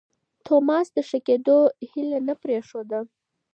توماس د ښه کېدو هیله نه پرېښوده.